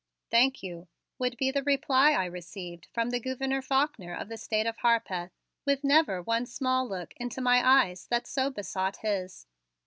"Thank you," would be the reply I received from the Gouverneur Faulkner of the State of Harpeth, with never one small look into my eyes that so besought his.